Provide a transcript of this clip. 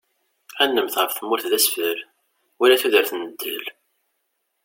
Ad nemmet ɣef tmurt d asfel, wal tudert n ddel.